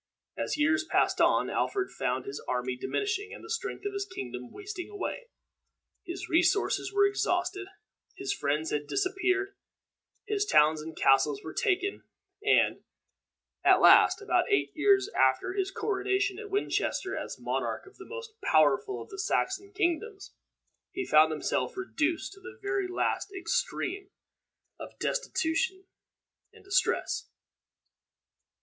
As years passed on, Alfred found his army diminishing, and the strength of his kingdom wasting away. His resources were exhausted, his friends had disappeared, his towns and castles were taken, and, at last, about eight years after his coronation at Winchester as monarch of the most powerful of the Saxon kingdoms, he found himself reduced to the very last extreme of destitution and distress.